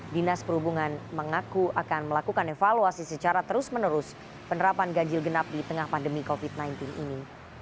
dinas perhubungan mengaku akan melakukan evaluasi secara terus menerus penerapan ganjil genap di tengah pandemi covid sembilan belas ini